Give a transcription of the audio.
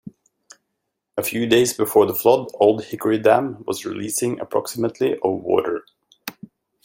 A few days before the flood Old Hickory Dam was releasing approximately of water.